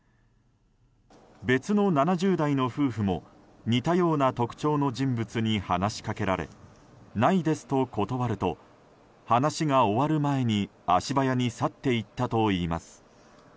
別の７０代の夫婦も似たような特徴の人物に話しかけられないですと断ると話が終わる前に足早に去っていったといいます。